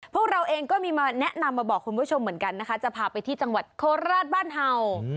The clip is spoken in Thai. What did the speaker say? พวกเราเองก็มีมาแนะนำมาบอกคุณผู้ชมเหมือนกันนะคะจะพาไปที่จังหวัดโคราชบ้านเห่า